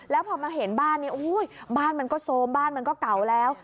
แล้วพอมาเห็นบ้านนี้บ้านมันก็โซมบ้านมันก็เก่าแล้ว